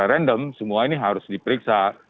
ya secara random semua ini harus diperiksa